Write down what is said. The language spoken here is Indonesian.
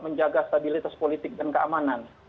menjaga stabilitas politik dan keamanan